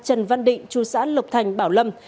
trần văn định chú xã lục thành bảo lâm